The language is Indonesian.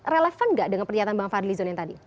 relevan nggak dengan pernyataan bang fadlizon yang tadi